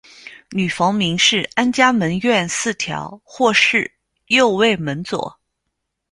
女房名是安嘉门院四条或是右卫门佐。